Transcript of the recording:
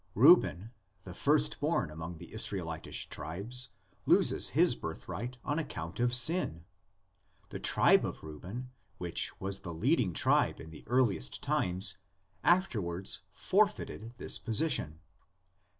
Reuben, the first born among the Israelitish tribes, loses his birthright on account of sin: the tribe of Reuben, which was the leading tribe in the earliest times, afterwards forfeited this position.